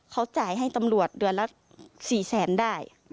เขาจ่ายให้ตำรวจเดือนละ๔๐๐๐๐๐บาทได้